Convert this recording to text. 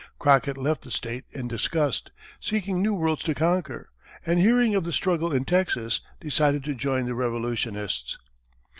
Crockett left the state in disgust, seeking new worlds to conquer, and hearing of the struggle in Texas, decided to join the revolutionists.